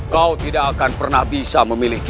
kau tidak akan pernah bisa memiliki